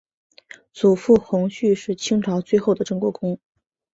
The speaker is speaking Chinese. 祖父恒煦是清朝最后的镇国公。